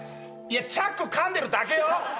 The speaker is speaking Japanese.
いやチャックかんでるだけよ？